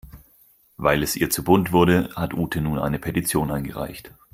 Weil es ihr zu bunt wurde, hat Ute nun eine Petition eingereicht.